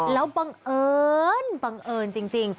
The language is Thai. แล้วบังเอิญบังเอิญจริง